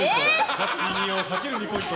ジャッジ二葉かける２ポイント